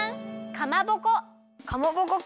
かまぼこか。